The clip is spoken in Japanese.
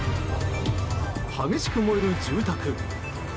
激しく燃える住宅。